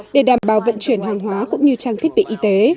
để đảm bảo vận chuyển hàng hóa cũng như trang thiết bị y tế